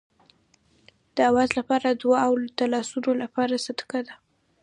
د آواز لپاره دعا او د لاسونو لپاره صدقه ده.